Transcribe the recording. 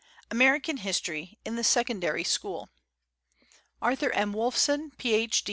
American History in the Secondary School ARTHUR M. WOLFSON, PH.